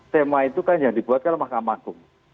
sema itu kan yang dibuat oleh makam agung